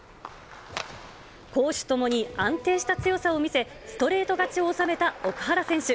攻守ともに安定した強さを見せ、ストレート勝ちを収めた奥原選手。